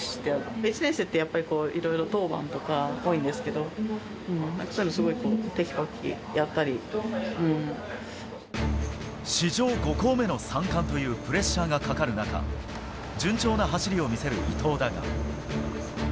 １年生って結構当番とか多いんですけど、なんかそういうのすごい史上５校目の三冠というプレッシャーがかかる中、順調な走りを見せる伊藤だが。